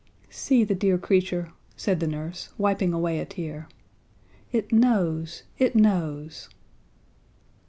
"See the dear creature," said the nurse, wiping away a tear. "It knows, it knows!"